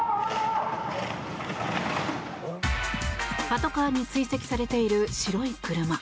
パトカーに追跡されている白い車。